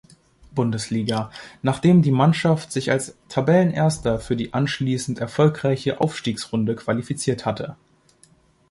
Bundesliga, nachdem die Mannschaft sich als Tabellenerster für die anschließend erfolgreiche Aufstiegsrunde qualifiziert hatte.